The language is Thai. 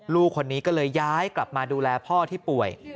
ลูกคนนี้ก็เลยย้ายกลับมาดูแลพ่อที่ป่วย